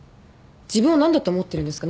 自分を何だと思ってるんですか？